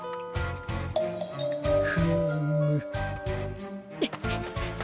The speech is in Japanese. フーム。